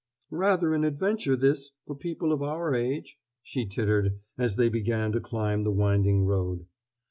"Rather an adventure, this, for people of our age...." she tittered, as they began to climb the winding road.